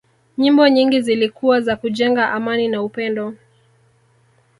nyimbo nyingi zilikuwa za kujenga amani na upendo